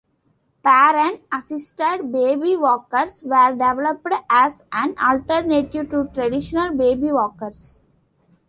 Parent-assisted baby walkers were developed as an alternative to traditional baby walkers.